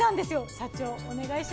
社長お願いします。